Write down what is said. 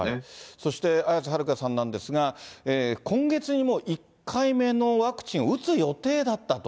そして綾瀬はるかさんなんですが、今月にも１回目のワクチンを打つ予定だったと。